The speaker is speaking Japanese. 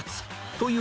という